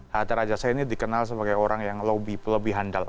hatta rajasa ini dikenal sebagai orang yang lebih handal